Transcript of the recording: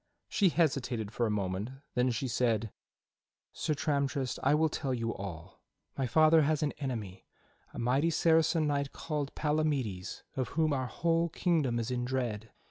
She hesitated for a moment, then she said: "Sir Tramtrist, I will tell you all. My father has an enemy, a mighty Saracen knight called Palamides of whom our whole kingdom is in dread.